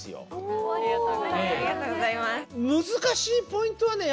難しいポイントはね